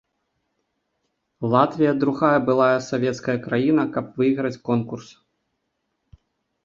Латвія другая былая савецкая краіна, каб выйграць конкурс.